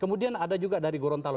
kemudian ada juga dari gorontalo